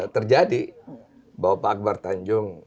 terjadi bahwa pak akbar tanjung